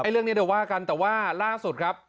เรื่องนี้เดี๋ยวว่ากันแต่ว่าล่าสุดครับ